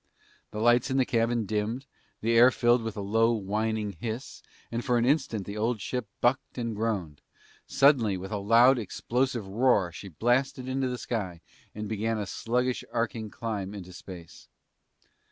The lights in the cabin dimmed, the air was filled with a low whining hiss, and for an instant the old ship bucked and groaned. Suddenly, with a loud explosive roar, she blasted into the sky and began a sluggish arching climb into space.